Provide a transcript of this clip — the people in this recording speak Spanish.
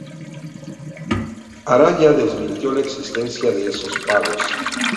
Araya desmintió la existencia de esos pagos.